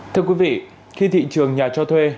thưa quý vị khi thị trường nhà cho thuê